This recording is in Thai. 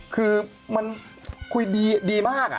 คือมันคุยดีมาก